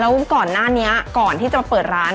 แล้วก่อนหน้านี้ก่อนที่จะเปิดร้าน